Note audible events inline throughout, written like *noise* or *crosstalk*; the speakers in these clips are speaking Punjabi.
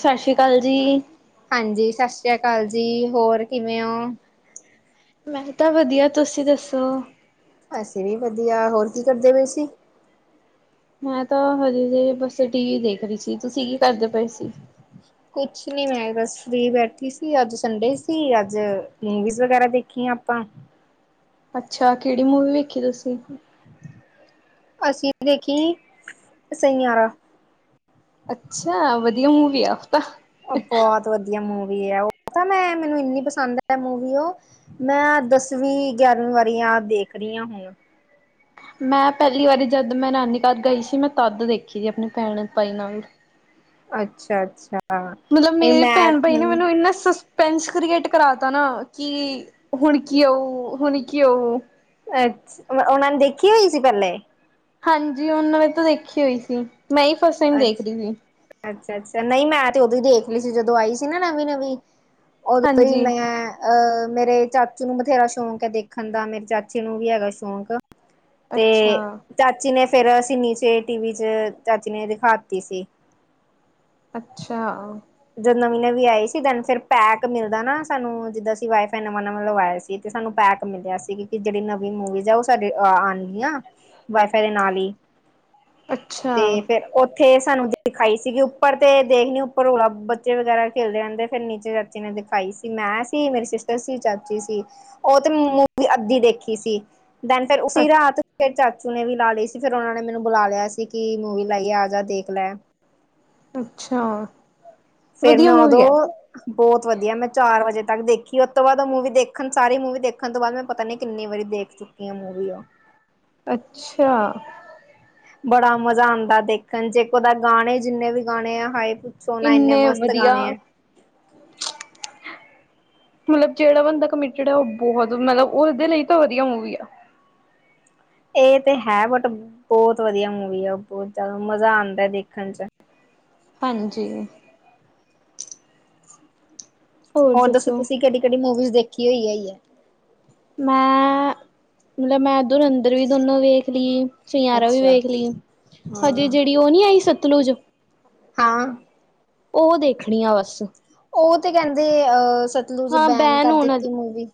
ਸਸਰੀ ਕਾਲ ਜੀ‌ ਈ ਹਾਂਜੀ ਈ ਸ੍ਸਰੀ ਆ ਕਾਲ ਜੀ ਹੋਰ ਕਿਵੇਂ ਓ ਮੈਂਨੂੰ ਤਾਂ ਵਧੀਆ ਤੁਸੀਂ ਦੱਸੋ ਓ ਅਸੀਂ ਵੀ ਵਧੀਆ ਹੋਰ ਕੀ ਕਰਦੇ ਪਏ ਸੀ ਈ ਮੈਂ ਤਾਂ ਹਜੇ ਬਸ ਟੀ ਵੀ ਦੇਖ ਰਹੀ ਸੀ ਕੀ ਕਰਦੇ ਪਏ ਸੀ *inaudible* ਕੁਛ ਨੀ ਮੈਂ ਬਸ ਫਰੀ ਬੈਠੀ ਸੀ ਅੱਜ ਸੰਡੇ ਸੀ ਅੱਜ ਮੂਵੀਜ਼ ਵਗੈਰਾ ਦੇਖੀਆਂ ਆਪਾਂ ਆ ਅੱਛਾ ਕਿਹੜੀ ਮੂਵੀ ਵੇਖੀ ਤੁਸੀਂ‌ ਈ ਅਸੀਂ ਦੇਖੀ ਈ ਸੈਆਰਾ ਅੱਛਾ ਵਧੀਆ ਮੂਵੀ ਆ ਉਹ ਤਾਂ ਉ ਬਹੁਤ ਵਧੀਆ ਮੂਵੀ ਐ ਉਹ ਤਾਂ ਮੈਂ ਮੈਨੂੰ ਇੰਨੀ ਪਸੰਦ ਐ ਮੂਵੀ ਉਹ ਮੈਂ ਦਸਵੀਂ ਗਿਆਰ੍ਹਵੀਂ ਵਾਰੀਆਂ ਦੇਖ ਰਹੀ ਹਾਂ ਹੂੰ ਮੈਂ ਪਹਿਲੀ ਵਾਰੀ ਜਦ ਮੈਂ ਨਾਨੀ ਘਰ ਗਈ ਸੀ ਮੈਂ ਤਦ ਵੇਖੀ ਆ ਆਪਣੇ ਭੈਣ ਭਾਈ ਨਾਲ ਅੱਛਾ ਆ ਅੱਛਾ ਆ ਮਤਲਬ ਮੇਰੀ ਭੈਣ ਭਾਈ ਨੇ ਮੈਨੂੰ ਇੰਨਾ ਸੁਸ ਪੈਂਨਸ ਕ੍ਰੀਏਟ ਕਰਾ ਤਾ ਨਾ ਕੀ ਹੁਣ ਕੀ ਹਾਊ ਹੁਣ ਕੀ ਆਊ ਐਗਜ ਉਹਨਾਂ ਨੇ ਦੇਖੀ ਹੋਈ ਸੀ ਪਹਿਲੇ ਏ ਹਾਂਜੀ ਈ ਉਹਨਾਂ ਨੇ ਤੇ ਦੇਖੀ ਹੋਈ ਸੀ ਮੈਂ ਈ ਫਸਟ ਟਾਈਮ ਦੇਖ ਰਹੀ ਈ ਅੱਛਾ ਆ ਅੱਛਾ ਆ ਨਹੀਂ ਮੈਂ ਤੇ ਉਦੋਂ ਈ ਦੇਖ ਲੀ ਸੀ ਜਦੋਂ ਆਈ ਸੀ ਨਾ ਨਵੀਂ ਨਵੀਂ ਈ ਉਹਦੋ ਈ ਹਾਂਜੀ। ਮੈਂ ਐ ਅਹ ਮੇਰੇ ਚਾਚੂ ਨੂੰ ਬਥੇਰਾ ਆ ਸ਼ੌਂਕ ਦੇਖਣ ਦਾ ਮੇਰੇ ਚਾਚੇ ਨੂੰ ਵੀ ਹੈਗਾ ਸ਼ੌਂਕ ਐ ਤੇ ਅੱਛਾ। ਚਾਚੀ ਈ ਨੇ ਫੇਰ ਅਸੀ ਨੀਚੇ ਏ ਟੀਵੀ ਚ ਚਾਚੀ ਨੇ ਦੇਖ ਦਾਖਾ ਆ ਤੀ ਸੀ ਅੱਛਾ ਆ ਜਦੋਂ ਨਵੀਂ ਨਵੀਂ ਈ ਆਈ ਸੀ ਦਿਨ ਫਿਰ ਪੈਕ ਮਿਲਦਾ ਨਾ ਸਾਨੂੰ ਜਿੱਦਾਂ ਅਸੀਂ ਵਾਈ ਫਾਈ ਨਵਾਂ ਨਵਾਂ ਆ ਲਵਾਇਆ ਸੀ ਈ ਤੇ ਸਾਨੂੰ ਪੈਕ ਮਿਲਿਆ ਸੀ ਕੀ ਜਿਹੜੀ ਨਵੀਂ ਮੂਵੀਜ਼ ਉਹ ਸਾਡੀਆਂ ਆਣਗੀਆਂ ਵਾਈਫਾਈ ਦੇ ਨਾਲ ਈ ਅੱਛਾ, ਤੇ ਫਿਰ ਉੱਥੇ ਏ ਸਾਨੂੰ ਦਿਖਾਈ ਸੀਗੀ ਉੱਪਰ ਤੇ ਦੇਖਣੀ ਉੱਪਰ ਰੋਲਾ ਆ ਬੱਚੇ ਏ ਵਗੈਰਾ ਖੇਲਦੇ ਰਹਿੰਦੇ ਫਿਰ ਨੀਚੇ ਚਾਚੀ ਨੇ ਦਿਖਾਈ ਸੀ ਮੈਂ ਸੀ ਮੇਰੀ ਸਿਸਟਰ ਸੀ ਚਾਚੀ ਸੀ ਉਹ ਤੇ ਮੂਵੀ ਅੱਧੀ ਵੇਖੀ ਈ ਸੀ ਦਨ ਫੇਰ ਉਸੇ ਰਾਤ ਫਿਰ ਚਾ ਚੁ ਨੇ ਵੀ ਲੀ ਸੀ ਫਿਰ ਉਹਨਾਂ ਨੇ ਮੈਨੂੰ ਬੁਲਾ ਲਿਆ ਸੀ ਕਿ ਮੂਵੀ ਲਾਈ ਆ ਆਜਾ ਦੇਖ ਲੈ ਐ ਅੱਛਾ ਆ ਫਿਰ ਮੈਂ ਉਦੋਂ ਓ ਬਹੁਤ ਵਧੀਆ ਮੈਂ ਚਾਰ ਵਜੇ ਤੱਕ ਦੇਖੀ ਉਹ ਤੋਂ ਉ ਬਾਅਦ ਮੂਵੀ ਦੇਖਣ ਸਾਰ ਮੂਵੀ ਦੇਖਣ ਤੋ ਬਾਦ ਪਤਾ ਨੀ ਕਿੰਨੀ ਵਾਰੀ ਦੇਖ ਚੁੱਕੀ ਆ ਮੂਵੀ ਆਹ ਅੱਛਾ ਆ ਬੜਾ ਮਜ਼ਾ ਆਉਂਦਾ ਦੇਖਣ ਜੇ ਇੱਕੋ ਗਾਣੇ ਜਿੰਨੇ ਵੀ ਗਾਣੇ ਹਾਏ ਸੋਨਾ ਇਨੇ ਇੰਨੇ ਮਸਤ ਵਧੀਆ ਗਾਣੇ ਐ ਮਤਲਬ ਜਿਹੜਾ ਬੰਦਾ ਕਮਿਟਡ ਐ ਉਹ ਬਹੁਤ ਮਤਲਬ ਉਹਦੇ ਲਈ ਤਾਂ ਵਧੀਆ ਮੂਵੀ ਆ ਏ ਤੇ ਹੈ ਬਟ ਬਹੁਤ ਵਧੀਆ ਮੂਵੀ ਆ ਬਹੁਤ ਜ਼ਿਆਦਾ ਮਜ਼ਾ ਆਉਂਦਾ ਐ ਦੇਖਣ 'ਚ ਹਾਂਜੀ ਈ ਹੋਰ ਦੱਸੋ ਤੁਸੀਂ ਕਿਹੜੀ-ਕਿਹੜੀ ਮੂਵੀਜ਼ ਦੇਖੀ ਹੋਈ ਹੈ ਹੀ ਹੈ। ਮੈਂ ਮਤਲਬ ਮੈਂ ਧੁਰਂਦਰ ਅਵੀ ਦੋਨੋ ਵੇਖ ਲਈ। ਸੁਨਿਆਰੇ ਵੀ ਅੱਛਾ ਵੇਖ ਲਈ ਹਜੇ ਹਾਂ ਜੇਹੜੀ ਉ ਨੀ ਆਈ ਸਤਲੁਜ ਹਾ। ਉ ਦੇਖਣੀ ਆ ਬਸ ਉਹ ਤੇ ਕਹਿੰਦੇ ਅਹ ਸਤਲੁਜ ਹਾਂ ਬੈਨ ਕਰ ਹੋਣ ਦਿੱਤੀ ਵਾਲੀ ਮੂਵੀ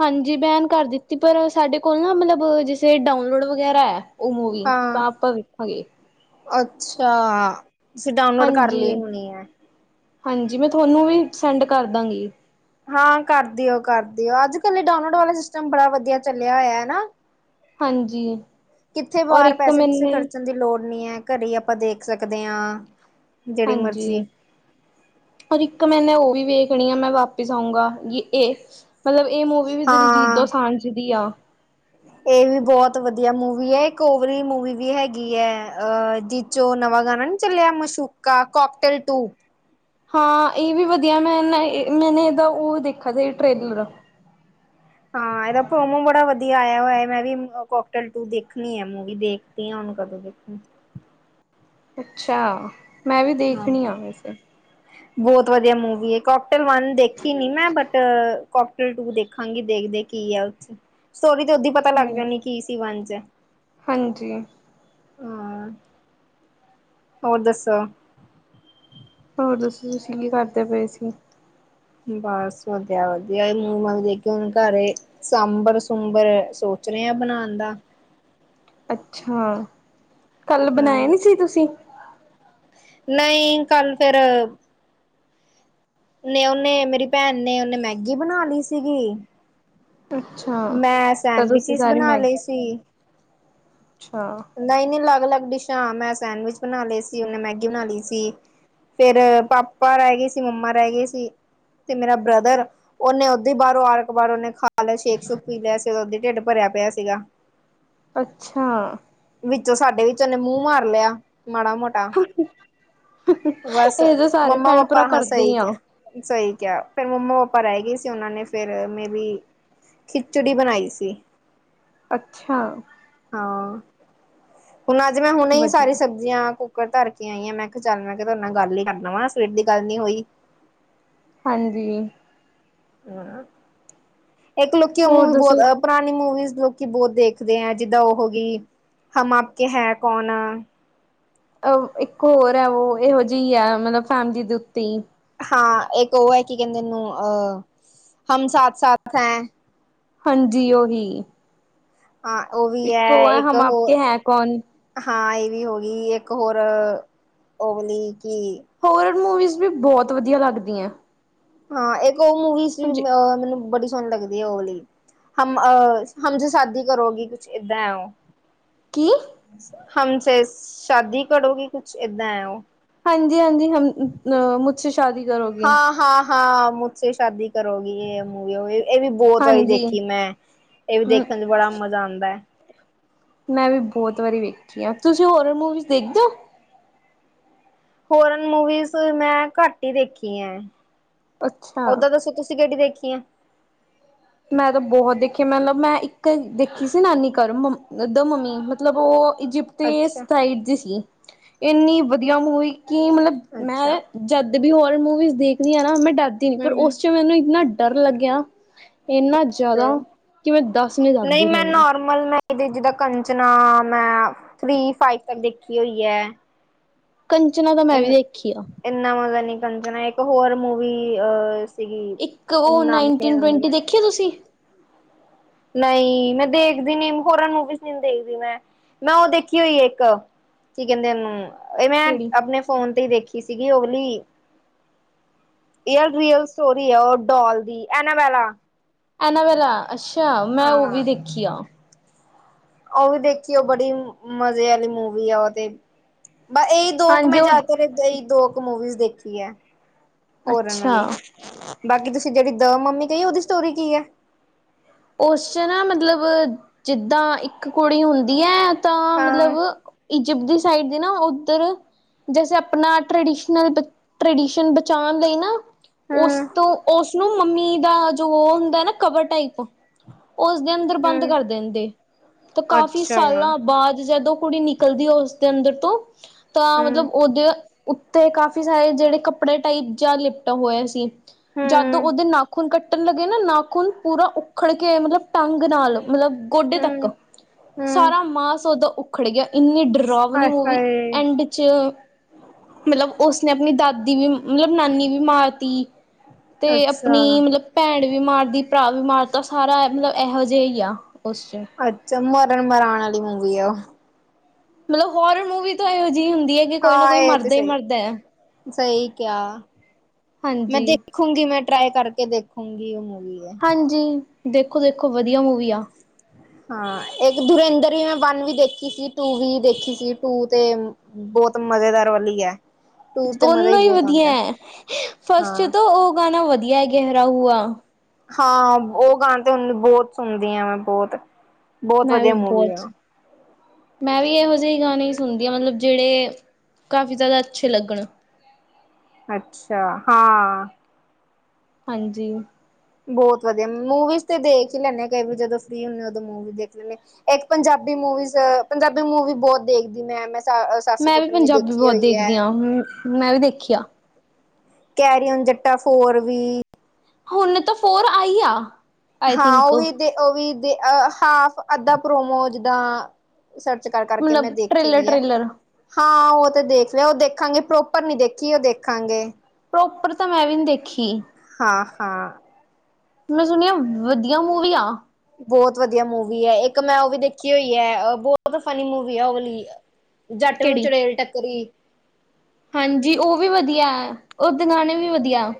ਹਾਂਜੀ, ਬੈਨ ਕਰ ਦਿੱਤੀ ਪਰ ਸਾਡੇ ਕੋਲ ਨਾ ਮਤਲਬ ਜਿਸੇ ਡਾਊਨਲੋਡ ਵਗੈਰਾ ਏ। ਉ ਮੂਵੀ ਹਾਂ ਤਾਂ ਆਪਾਂ ਵੇਖਾਂਗੇ। ਅੱਛਾ! ਤੁਸੀਂ ਡਾਊਨਲੋਡ ਕਰ ਹਾਂਜੀ, ਲਈ ਹੋਣੀ ਏ। ਹਾਂਜੀ, ਮੈਂ ਤੁਹਾਨੂੰ ਵੀ ਸੈਂਡ ਕਰ ਦਾਂਗੀ। ਹਾਂ, ਕਰਦੀਓ-ਕਰਦੀਓ ਅੱਜ-ਕੱਲ ਏ ਡਾਊਨਲੋਡ ਵਾਲਾ ਸਿਸਟਮ ਬੜਾ ਵਧੀਆ ਚੱਲਿਆ ਹੋਇਆ ਹਨਾ। ਹਾਂਜੀ ਕਿੱਥੇ ਔਰ ਬਾਹਰ ਇੱਕ ਪੈਸੇ-ਪੂਸੇ ਮੈਨੇ ਖਰਚਣ ਦੀ ਲੋੜ ਨੀ ਏ। ਘਰੇ ਹੀ ਆਪਾਂ ਦੇਖ ਸਕਦੇ ਹਾਂ। ਜਿਹੜੀ ਹਾਂਜੀ। ਮਰਜ਼ੀ ਔ ਇੱਕ ਮੈਨੇ ਉਹ ਵੀ ਵੇਖਣੀ ਆ ਮੈਂ ਵਾਪਿਸ ਆਊਂਗਾ ਜ ਇਹ ਮਤਲਬ ਏ ਮੂਵੀ ਵੀ ਦਿਲਜੀਤ ਉ ਹਾਂ ਦੁਸਾਂਝ ਦੀ ਆ। ਏ ਵੀ ਬਹੁਤ ਵਧੀਆ ਮੂਵੀ ਹੈ ਇਕ ਓ ਵਲੀ ਮੂਵੀ ਵੀ ਹੈਗੀ ਹੈ ਅਹ ਜਿ ਜੋ ਨਵਾਂ ਗਾਣਾ ਨੀ ਚੱਲਿਆ ਮਸ਼ੂਕਾ ਕੋਕਟੇਲ ਟੂ ਹਾਂ, ਇਹ ਵੀ ਵਧੀਆ ਮੈਂ ਨਾ ਮੈਨੇ ਇਹਦਾ ਉਹ ਦੇਖਾ ਸੀ ਟ੍ਰੇਲਰ। ਹਾਂ, ਇਹਦਾ ਪ੍ਰੋਮੋ ਬੜਾ ਵਧੀਆ ਆਇਆ ਹੋਇਆ। ਮੈਂ ਵੀ ਕੋਕਟਲ ਟੂ ਦੇਖਣੀ ਹੈ ਮੂਵੀ ਦੇਖਦੀ ਆ ਹੁਣ ਕਦੋਂ? ਹ *inaudible* ਅੱਛਾ, ਮੈਂ ਵੀ ਹਾਂ ਦੇਖਣੀ ਆ ਵੈਸੇ। ਬਹੁਤ ਵਧੀਆ ਮੂਵੀ ਏ ਕਕਟੇਲ ਵਨ ਦੇਖੀ ਨੀ ਮੈਂ ਬਟ ਕੋਕਟਲ ਟੂ ਦੇਖਾਂਗੀ ਦੇਖਦੇ ਕੀ ਆ ਉਥੇ ਸਟੋਰੀ ਤੇ ਓਦੀ ਪਤਾ ਲੱਗ ਹਾਂਜੀ ਜਾਂਣੀ ਕੀ ਸੀ ਵੰਨ ਚ। ਹਾਂਜੀ। ਹਾਂ ਹੋਰ ਦੱਸੋ। ਹੋਰ ਦੱਸੋ, ਤੁਸੀਂ ਕੀ ਕਰਦੇ ਪਏ ਸੀ? ਬਸ ਵਧੀਆ-ਵਧੀਆ ਮੂੰਹ-ਮ ਦੇਖ ਘਰੇ ਸਾਂਬਰ-ਸੁੰਬਰ ਸੋਚ ਰਹੇ ਹ ਬਣਾਉਣ ਦਾ। ਅੱਛਾ, ਕੱਲ ਬਨਾਇਆ ਹਮ ਨੀ ਸੀ ਤੁਸੀਂ। ਨਹੀਂ ਕੱਲ ਫੇਰ ਨੇ ਉਹਨੇ ਮੇਰੀ ਭੈਣ ਨੇ ਉਹਨੇ ਮੈਗੀ ਬਣਾ ਲਈ ਸੀਗੀ। ਅੱਛਾ, ਮੈਂ ਤਾਂ ਤੁਸੀਂ ਸੈਂਡਵਿਚਿਸ ਸੈਰੀ, ਬਣਾ ਲਈ ਅੱਛਾ। ਨਹੀਂ-ਨਹੀਂ, ਅਲੱਗ-ਅਲੱਗ ਡਿਸ਼ਾਂ ਮੈਂ ਸੈਂਡਵਿਚ ਬਣਾ ਲਏ ਸੀ, ਉਹਨੇ ਮੈਗੀ ਬਣਾ ਲਈ ਸੀ। ਫੇਰ ਪਾਪਾ ਰਹਿ ਗਏ ਸੀ ਮੰਮਾ ਰਹਿ ਗਏ ਸੀ। ਤੇ ਮੇਰਾ ਬ੍ਰਦਰ, ਉਹਨੇ ਉਦਾ ਬਾਹੋਂ ਆਰ-ਕਥਾਣ ਓਨੇ ਖਾ ਨਾਲੇ ਸ਼ੇਖ- ਸੁਖ ਪੀ ਲਿਆ ਸੀਗਾ, ਉਦੀ ਢਿੱਡ ਭਰਿਆ ਪਿਆ ਸੀਗਾ। ਅੱਛਾ। ਵਿੱਚੋਂ ਸਾਡੇ ਵਿੱਚ ਉਹਨੇ ਮੂੰਹ ਮਾਰ ਲਿਆ ਮਾੜਾ-ਮੋ ਟਾ, ਬਸ ਇਹ ਤਾਂ ਸਾਰੇ ਭੈਣ ਭਰਾ ਮੰਮਾ-ਪਾਪਾ ਹਾਂ ਕਰਦੇ ਸਹੀ ਹੀ ਆ। ਕਿ ਸਹੀ ਕਿਹਾ ਫੇਰ ਮੰਮਾ-ਪਾਪਾ ਰਹਿ ਗਈ ਸੀ ਉਹਨਾਂ ਨੇ ਫੇਰ ਮੇਬੀ ਖਿਚੜੀ ਬਣਾਈ ਸੀ। ਅੱਛਾ! ਹਾਂ, ਹੁਣ ਅੱਜ ਮੈਂ ਹੁਣੇ ਹੀ ਵਧੀਆ ਸਾਰੀ ਸਬਜ਼ੀਆਂ ਕੁ ਰ ਧਰ ਕੇ ਆਈ ਆ ਮੈਂ ਕਿਹਾ ਚੱਲ ਮੈਂ ਕਿਹਾ ਤੁਹਾਡੇ ਨਾਲ ਗੱਲ ਹੀ ਕਰ ਲਵਾ, ਸਵੇਰ ਦੀ ਗੱਲ ਨੀ ਹੋਈ। ਹਾਂਜੀ। ਇੱਕ ਲੋਕੀ ਹੋਰ ਮੂਵੀ ਦੱਸੋ? ਬਹੁਤ ਪੁਰਾਣੀ ਮੂਵੀਜ਼ ਲੋਕ ਬਹੁਤ ਦੇਖਦੇ ਆ ਜਿੱਦਾਂ ਉਹ ਗਈ, ਹਮ ਆਪ ਕੇ ਹੈ ਕੌਣ। ਅ ਇੱਕ ਹੋਰ ਹੈ ਉਹ ਇਹੋ ਜਿਹੀ ਹੈ, ਮਤਲਬ ਫੈਮਿਲੀ ਦੇ ਉੱਤੇ ਹੀ। ਹਾਂ ਇੱਕ ਉਹ ਹੈ ਕਿ ਕਹਿੰਦੇ ਓਨੂੰ ਅ ਹਮ ਸਾਥ- ਸਾਥ ਹੈ। ਹਾਂਜੀ ਓਹੀ। ਹਾਂ ਉਹ ਵੀ ਐ, ਹੈ ਇੱਕ ਹਮ ਹੋਰ ਆਪਕੇ ਹੈ ਕੌਣ। ਹਾਂ ਇਹ ਵੀ ਹੋ ਗਈ, ਇੱਕ ਹੋਰ, ਓ ਵਾਲੀ ਕੀ ਹੋਰ ਮੂਵੀਜ਼ ਵੀ ਬਹੁਤ ਵਧੀਆ ਲੱਗਦੀਆਂ। ਹਾਂ, ਇਕ ਉਹ ਮੂਵੀ ਸੀ ਹਾਂਜੀ, ਅ ਮੈਨੂੰ ਬੜੀ ਸੋਨੀ ਲੱਗਦੀ ਓ ਵਾਲੀ ਹਮ ਅਹ ਹਮ ਸੇ ਸ਼ਾਦੀ ਕਰੋਗੀ, ਕੁਛ ਏਦਾਂ ਹੈ ਓ। ਕੀ? ਹਮਸੇ ਚ ਸ਼ਾਦੀ ਕੜੋਗੀ ਕੁਛ ਏਦਾਂ ਐਂ ਉਹ। ਹਾਂਜੀ-ਹਾਂਜੀ ਹਮ ਅ ਮੁਝਸੇ ਸ਼ਾਦੀ ਕਰੋਗੀ। ਹਾਂ ਹਾਂ ਹਾਂ ਮੁਝਸੇ ਸ਼ਾਦੀ ਕਰੋਗੀ, ਇਹ ਮੂਵੀ ਓ ਹੀ ਇਹ ਵੀ ਬਹੁਤ ਵਾਰੀ ਹਾਂਜੀ। ਦੇਖੀ ਮੈਂ, ਇਹ ਵੀ ਦੇਖਣ ਚ ਬੜਾ ਮਜ਼ਾ ਆਂਦਾ। ਮੈਂ ਵੀ ਬਹੁਤ ਵਾਰੀ ਵੇਖੀ ਆ, ਤੁਸੀਂ ਹੋਰਰ ਮੂਵੀਜ਼ ਦੇਖਦੇ ਹੋ? ਹੋਰਰ ਮੂਵੀਜ਼ ਮੈਂ ਘੱਟ ਹੀ ਦੇਖੀ ਆ। ਅੱਛਾ। ਓਦਾਂ ਦੱਸੋ ਤੁਸੀਂ ਕਿਹੜੀ ਦੇਖੀ ਆ? ਮੈਂ ਤਾਂ ਬਹੁਤ ਦੇਖੀ, ਮਤਲਬ ਮੈਂ ਇੱਕ ਦੇਖੀ ਸੀ ਨਾਨੀ ਘਰ, ਮੰ ਦਾ ਮੰਮੀ ਮਤਲਬ ਉਹ ਇਜਿਪਟ ਤੇ ਅੱਛਾ ਸਾਈਡ ਜੀ ਸੀ, ਇੰਨੀ ਵਧੀਆ ਮੂਵੀ ਕਿ ਮਤਲਬ ਅੱਛਾ ਮੈਂ ਜਦ ਵੀ ਹੋਰ ਮੂਵੀਜ਼ ਦੇਖਦੀ ਆ ਨਾ ਮੈਂ ਡਰਦੀ ਨੀ, ਪਰ ਹਮ ਉਸ ਚ ਮੈਨੂੰ ਇੰਨਾ ਡਰ ਲੱਗਿਆ ਏਨਾ ਜ਼ਿਆਦਾ, ਕਿ ਮੈਂ ਦੱਸ ਨਹੀਂ ਸਕਦੀ ਤੁਹਾਨੂੰ। ਮਲਬ ਜਿਦਾਂ ਕੰਜਨਾ, ਮੈਂ ਥ੍ਰਰੀ ਫਾਈਵ ਤਕ ਦੇਖੀ ਹੋਈ ਐ। ਕੰਚਨਾ ਤਾਂ ਮੈਂ ਇਨ ਵੀ ਵੇਖੀ ਆ। ਇੰਨਾ ਮਜ਼ਾ ਨੀ ਕੰਜਣਾ, ਇੱਕ ਹੋਰ ਮੂਵੀ ਅ ਸੀਗੀ, ਓ ਮੈਨੂੰ ਨਾਮ ਨੀ ਆਂਦਾ ਪਿਆ। ਵੇਖੀ ਆ ਤੁਸੀਂ? ਨਈਂ, ਮੈਂ ਦੇਖਦੀ ਨੀ, ਫੋਰਨ ਮੂਵੀਜ਼ ਨਹੀਂ ਦੇਖਦੀ ਮੈਂ, ਮੈਂ ਉਹ ਦੇਖੀ ਹੋਈ ਇੱਕ ਕੀ ਕਹਿੰਦੇ ਓਨੂੰ, ਮੈਂ ਕਿਹੜੀ ਆਪਣੇ ਫੋਨ ਤੇ ਈ ਦੇਖੀ ਸੀਗੀ ਓ ਵਾਲੀ ਰੀਅਲ-ਰੀਅਲ ਸਟੋਰੀ ਐ ਉਹ ਡੌਲ ਦੀ, ਐਨਾਵਾਲਾ। ਐਨਾਵਰਾ, ਅੱਛਾ! ਮੈਂ ਉਹ ਵੀ ਹਾਂ। ਦੇਖੀ ਆ। ਉਹ ਵੀ ਦੇਖੀ ਐ ਬੜੀ ਮ-ਮਜ਼ੇ ਵਾਲੀ ਮੂਵੀ ਆ ਉਹ ਤੇ। ਬ-ਅ ਇਹੀ ਦੋ ਕੁ ਮੈਂ ਹਾਂਜੀ ਉਹ ਜ਼ਿਆਦਾਤਰ ਦੁਈ ਦੋ ਕੁ ਮੂਵੀਜ਼ ਦੇਖੀ ਐ ਹੋਰਰ ਅੱਛਾ ਆਲੀ। ਬਾਕੀ ਤੁਸੀਂ ਜਿਹੜੀ ਦ- ਮੰਮੀ ਕਹੀ ਆ, ਉਹਦੀ ਸਟੋਰੀ ਕੀ ਐ? ਉਸ਼ ਚ ਨਾ ਮਤਲਬ- ਜਿੱਦਾਂ ਇੱਕ ਕੁੜੀ ਹੁੰਦੀ ਐਂ ਤਾਂ ਮਤਲਬ ਹਾਂ ਇਜਿਪਟ ਦੀ ਸਾਇਡ ਦੇ ਨਾ ਉੱਧਰ ਜੈਸੇ ਆਪਣਾ ਟ੍ਰਡੀਸ਼ਨਲ ਟ੍ਰ-ਟ੍ਰਡੀਸ਼ਨ ਬਚਾਣ ਲਈ ਨਾ ਉਸ ਹੂੰ ਤੋਂ, ਉਸਨੂੰ ਮੰਮੀ ਦਾ ਜੋ ਉਹ ਹੁੰਦਾ ਨਾ ਕਵਰ ਟਾਈਪ ਉਸਦੇ ਅੰਦਰ ਬੰਦ ਹੂੰ ਕਰ ਦਿੰਦੇ ਤੇ ਕਾਫੀ ਅੱਛਾ ਸਾਲਾਂ ਬਾਅਦ ਜਦੋਂ ਕੁੜੀ ਨਿ ਕਲਦੀ ਹੈ ਉਸਦੇ ਅੰਦਰ ਤੋਂ, ਤਾਂ ਹੂੰ ਮਤਲਬ ਓਦੇ ਉੱਤੇ ਕਾਫੀ ਸਾਰੇ ਜਿਹੜੇ ਕੱਪੜੇ ਟਾਈਪ ਜਾ ਲਿਪਟਾ ਹੋਇਆ ਸੀ। ਜੱਦ ਹੂੰ ਉਹਦੇ ਨਾਖੂਨ ਕੱਟਣ ਲੱਗੇ ਨਾ, ਨਾਖੂਨ ਪੂਰਾ ਉੱਖੜ ਕੇ ਮਤਲਬ ਟੰਗ ਨਾਲ, ਮਤਲਬ ਗੋਡੇ ਤੱਕ, ਹੂੰ ਹੂੰ ਸਾਰਾ ਮਾਸ ਓਦਾ ਉ ਉੱਖੜ ਗਿਆ। ਇੰਨੀ ਡਰਾਵਨੀ ਹਾਏ ਮੂਵੀ ਹਾਏ ਐਂਡ ਚ ਮਤਲਬ- ਉਸਨੇ ਆਪਣੀ ਦਾਦੀ ਵੀ, ਨਹੀਂ, ਮਤਲਬ- ਨਾਨੀ ਵੀ ਮਾਰਤੀ ਤੇ ਆਪਣੀ ਅੱਛਾ ਮਤਲਬ- ਭੈਣ ਵੀ ਮਾਰਦੀ, ਭਰਾ ਵੀ ਮਾਰ ਤਾ। ਸਾਰਾ ਮਤਲਬ ਇਹੋ-ਜਈ ਆ ਉਸ 'ਚ। ਅੱਛਾ, ਮਰਨ-ਮਰਾਨ ਆਲੀ ਮੂਵੀ ਆ ਉਹ ਨਹੀਂ, ਹੋਰਰ ਮੂਵੀ ਤਾਂ ਇਹੋ ਜਿਹੀ ਹੁੰਦੀ ਹੈ ਕਿ ਕੋਈ ਨਾ ਕੋਈ ਮਰਦਾ ਈ ਮਰਦਾ। ਸਈ ਕਿਆ। *inaudible* ਮੈਂ ਦੇ ਹਾਂਜੀ ਦੇਖੂੰਗੀ ਮੈਂ ਟਰਾਏ ਕਰਕੇ ਦੇਖੂੰਗੀ ਉਹ ਮੂਵੀ। ਹੈ। ਹਾਂਜੀ, ਦੇਖੋ- ਦੇਖੋ ਵਧੀਆ ਮੂਵੀ ਆ। ਹਾਂ, ਇੱਕ ਦੁਰੇਂਦਰ ਵੀ ਮੈਂ ਵਨ ਵੀ ਦੇਖੀ ਸੀ, ਟੂ ਵੀ ਦੇਖੀ ਸੀ ਟੂ ਤੇ ਬਹੁਤ ਮਜ਼ੇਦਾਰ ਵਾਲੀ ਐ। ਦੋਨੋਂ ਈ ਵਧੀਆ ਐਂ, ਫਸਟ ਹਾਂ ਚ ਉਹ ਗਾਣਾ ਵਧੀਆ ਏ-ਗਹਿਰਾ ਹੂਆ। ਹਾਂ, ਉਹ ਗਾਣੇ ਤਾਂ ਹੁਣ ਬਹੁਤ ਸੁਣਦੀ ਆਂ ਮੈਂ ਬੋਤ। ਮੈਂ ਵੀ ਬੌਤ ਮੈਂ ਵੀ ਇਹੋ ਜਿਹੇ ਗਾਣੇ ਸੁਣਦੀ ਹਾਂ ਮਤਲਬ- ਜਿਹੜੇ ਕਾਫੀ ਜਾ਼ਦਾ ਅੱਛੇ ਲੱਗਣ। ਅੱਛਾ, ਹਾਂ ਹਾਂਜੀ। ਬਹੁਤ ਵਧੀਆ, ਮੂਵੀਜ਼ ਤੇ ਦੇਖ ਈ ਲੈਂਨੇ ਆ ਕਈ ਵੀ ਜਦੋਂ ਫ੍ਰਰੀ ਹੁੰਨੇ ਉਦੋਂ ਮੂ ਦੇਖ ਲੈਂਨੇਂ, ਇੱਕ ਪੰਜਾਬੀ ਮੂਵੀ-ਜ਼- ਪੰਜਾਬੀ ਮੂਵੀ ਬਹੁਤ ਦੇਖਦੀ ਮੈਂ, ਮੈਂ ਸਅ ਮੈਂ ਵੀ ਪੰਜਾਬੀ ਬਹੁਤ ਦੇਖਦੀ ਆਂ ਮੈਂ-ਅ ਵੀ ਦੇਖੀ ਆ। ਕੈਰੀ ਔਨ ਜੱਟਾ ਫੋਰ ਵੀ। ਹੁਨ ਤਾ ਫੋਰ ਆਈ ਆ। ਆਈ ਹਾਂ, ਥਿੰਕ ਉਹ ਵੀ ਦੇ, ਉਹ ਵੀ ਦੇ-ਅ ਹਾਫ ਅੱਧਾ ਪ੍ਰੋਮੋ ਜਿਦਾਂ। ਸਰਚ ਕਰ-ਕਰ ਕੇ ਮੈ ਮਤਲਬ ਦੇਖੀ ਟ੍ਰੇਲਰ ਵੀ ਐ। ਟ੍ਰੇਲਰ ਹਾਂ ਉਹ ਤੇ ਦੇਖ ਲਿਆ, ਉਹ ਦੇਖਾਂਗੇ, ਪ੍ਰੋਪਰ ਨੀ ਦੇਖੀ ਉਹ ਦੇਖਾਂਗੇ। ਪ੍ਰੋਪਰ ਤਾਂ ਮੈਂ ਵੀ ਨੀ ਦੇਖੀ। ਹਾਂ-ਹਾਂ। ਮੈਂ ਸੁਣਿਆ ਵਧੀਆ ਮੂਵੀ ਆ। ਬਹੁਤ ਵਧੀਆ ਮੂਵੀ ਹੈ। ਇੱਕ ਮੈਂ ਉਹ ਵੀ ਦੇਖੀ ਹੋਈ ਹੈ ਬਹੁਤ ਫਨੀ ਮੂਵੀ ਹੈ ਉਹ ਵਾਲੀ ਜੱਟ ਨੂੰ ਕਿਹੜੀ ਚੜੇਲ ਟੱਕਰੀ। ਹਾਂਜੀ! ਉਹ ਵੀ ਵਧੀਆ ਉਹਦੇ ਗਾਣੇ ਵੀ ਵਧੀਆ।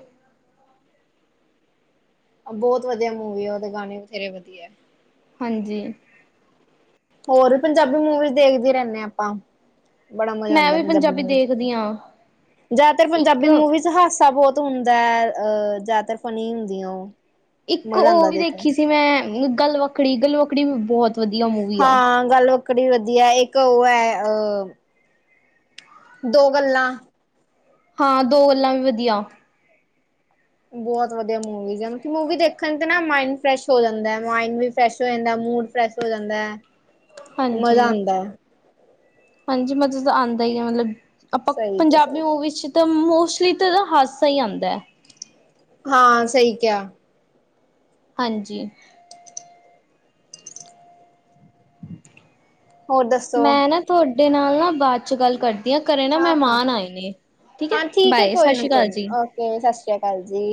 ਬਹੁਤ ਵਧੀਆ ਮੂਵੀ ਆ। ਉਹਦੇ ਗਾਣੇ ਵੀ ਬਥੇਰੇ ਵਧੀਆ ਹਾਂਜੀ। ਹੋਰ ਪੰਜਾਬੀ ਮੂਵੀਜ਼ ਦੇਖਦੇ ਰੈਹਨੇ ਹਾਂ ਆਪਾਂ। ਬੜਾ ਮਜ਼ਾ ਮੈਂ ਆਉਂਦਾ ਵੀ ਪੰਜਾਬੀ ਮਵੀ ਦੇਖਣ ਚ। ਦੇਖਦੀ ਹਾਂ ਜ਼ਿਆਦਾਤਰ ਇੱਕ ਪੰਜਾਬੀ ਮੂਵੀ ਚ ਹਾਸਾ ਬਹੁਤ ਹੁੰਦਾ ਐ। ਜ਼ਿਆਦਾਤਰ ਫਨੀ ਹੁੰਦੀਆਂ ਉਹ ਇੱਕ ਮਜ਼ਾ ਉਹ ਆਂਦਾ ਵੀ ਦੇਖਣ ਦੇਖੀ ਚ ਸੀ ਮੈਂ ਗ਼ਲਵਕੜੀ! ਗ਼ਲਵਕੜੀ ਮੈਂ ਬਹੁਤ। ਵਧੀਆ ਮੂਵੀ ਆ ਹਾਂ ਗ਼ਲਵਕੜੀ ਵਧੀਆ। ਇੱਕ ਉਹ ਹੈ ਅ। ਦੋ ਗੱਲਾਂ। ਹਾਂ ਦੋ ਗੱਲਾਂ ਵੀ ਵਧੀਆ। ਬਹੁਤ ਵਧੀਆ ਮੂਵੀਜ਼ ਹੈ। ਮੂਵੀ ਦੇਖਣ ਤੇ ਨਾ ਮਾਇੰਡ ਫਰੈਸ਼ ਹੋ ਜਾਂਦਾ ਮਾਇੰਡ ਵੀ ਫਰੈਸ਼ ਹੋ ਜਾਂਦਾ ਮੂਡ। ਫਰੈਸ਼ ਹੋ ਜਾਂਦਾ ਹੈ। ਹਾਂਜੀ ਮਜ਼ਾ ਆਂਦਾ ਹੈ ਹਾਂਜੀ ਮਜਾ ਤਾ ਆਂਦਾ ਹੀ ਆ ਮਤਲਬ। ਆਪਾਂ ਸਹੀ ਕਿਹਾ ਪੰਜਾਬੀ ਸਹੀ ਕਿਹਾ ਮੂਵੀ ' ਤਾਂ ਮੋਸਟਲੀ ਤਾਂ ਇਹਦਾ ਹਾਸਾ ਹੀ ਆਉਂਦਾ। ਹਾਂ ਸਹੀ ਕਿਆ। ਹਾਂਜੀ। ਹੋਰ ਦੱਸੋ ਮੈਂ ਨਾ ਥੋਡੇ ਨਾਲ ਨਾ ਬਾਦ ਚ ਗੱਲ ਕਰ ਮੇਰੇ ਘਰੇ ਨਾ ਹਾਂ ਹਾਂ ਮਹਿਮਾਨ ਆਏ ਨੇ, ਠੀਕ ਐ ਬਾਏ ਸਸਰੀ ਕਾਲ ਜੀ। ਗਏ ਸਸ ਰੀਆ ਕਾਲ ਜੀ।